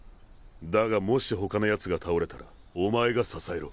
だがもし他のやつが倒れたらお前が支えろ。